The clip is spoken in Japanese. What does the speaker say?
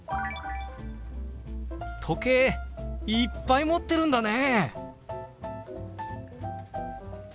「時計いっぱい持ってるんだね！」。